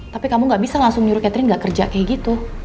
tapi kamu gak bisa langsung nyuruh catering gak kerja kayak gitu